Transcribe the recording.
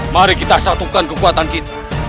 mari kita satukan kekuatan kita